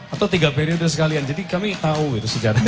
atau tiga periode sekalian jadi kami tahu itu sejarahnya